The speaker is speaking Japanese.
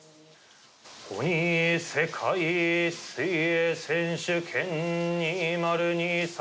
世界水泳選手権２０２３